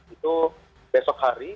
itu besok hari